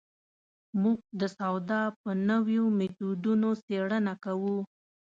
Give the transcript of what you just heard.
موږ د سودا په نویو مېتودونو څېړنه کوو.